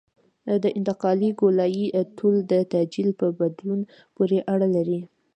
د انتقالي ګولایي طول د تعجیل په بدلون پورې اړه لري